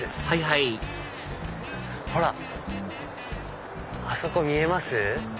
はいはいほらあそこ見えます？